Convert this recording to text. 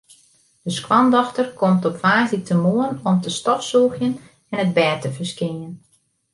De skoandochter komt op woansdeitemoarn om te stofsûgjen en it bêd te ferskjinjen.